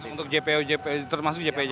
untuk jpo jpo termasuk jpo